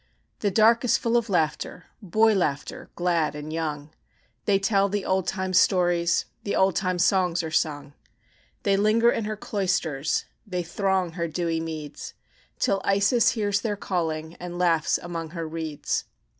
The dark is full of laughter, Boy laughter, glad and young. They tell the old time stories, The old time songs are sung; They linger in her cloisters, They throng her dewy meads, Till Isis hears their calling And laughs among her reeds.